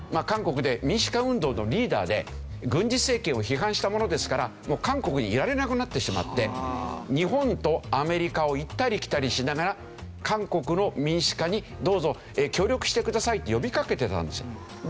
韓国で民主化運動のリーダーで軍事政権を批判したものですからもう韓国にいられなくなってしまって日本とアメリカを行ったり来たりしながら韓国の民主化にどうぞ協力してくださいと呼びかけていたんです。